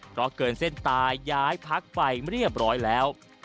เพราะเกินเส้นตายย้ายพักไปเรียบร้อยแล้ว